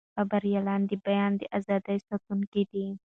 خبریالان د بیان د ازادۍ ساتونکي دي.